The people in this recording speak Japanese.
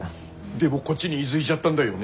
でもこっちに居づいちゃったんだよね。